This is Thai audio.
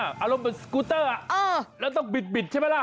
อารมณ์เหมือนสกูเตอร์แล้วต้องบิดใช่ไหมล่ะ